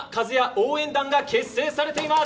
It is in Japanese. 応援団が結成されています。